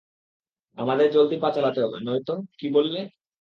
আমাদের জলদি পা চালাতে হবে, নয়তো - কী বললে?